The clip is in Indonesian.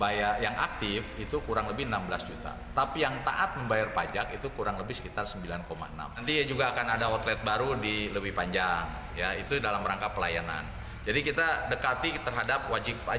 bayar yang aktif itu kurang lebih enam belas juta tapi yang taat membayar pajak itu kurang lebih sekitar sembilan enam dia juga akan ada outlet baru di lebih panjang ya itu dalam rangka pelayanan jadi kita dekati terhadap wajib pajak